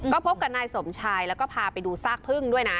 ก็พบกับนายสมชายแล้วก็พาไปดูซากพึ่งด้วยนะ